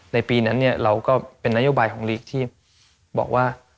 ในปีนั้นเนี่ยเราก็เป็นนโยบายของลีกที่บอกว่า